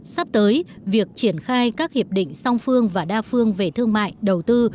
sắp tới việc triển khai các hiệp định song phương và đa phương về thương mại đầu tư